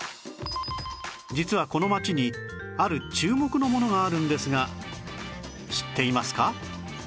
実はこの街にある注目のものがあるんですが知っていますか？